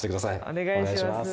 お願いします。